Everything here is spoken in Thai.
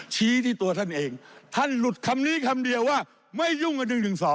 ชี้ที่ตัวท่านเองท่านหลุดคำนี้คำเดียวว่าไม่ยุ่งกับ๑๑๒